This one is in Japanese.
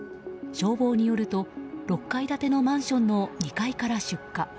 消防によると６階建てのマンションの２階から出火。